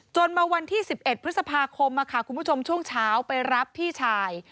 มาวันที่๑๑พฤษภาคมคุณผู้ชมช่วงเช้าไปรับพี่ชาย